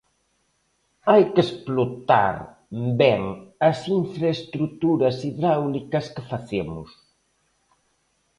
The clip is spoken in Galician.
Hai que explotar ben as infraestruturas hidráulicas que facemos.